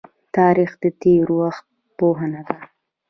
تاریخ د تیر وخت پوهنه ده